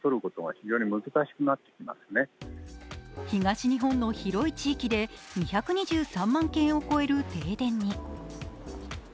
東日本の広い地域で２２３万軒を超える停電に。